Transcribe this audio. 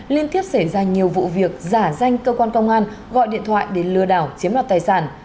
liên tiếp xảy ra nhiều vụ việc giả danh cơ quan công an gọi điện thoại để lừa đảo chiếm đoạt tài sản